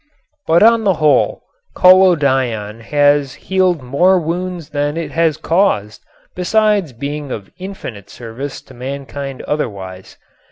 But on the whole, collodion has healed more wounds than it has caused besides being of infinite service to mankind otherwise.